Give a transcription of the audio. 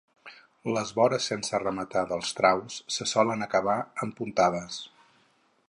Les bores sense rematar dels traus se solen acabar amb puntades.